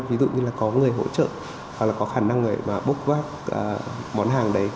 ví dụ như là có người hỗ trợ hoặc là có khả năng người mà bốc vác món hàng đấy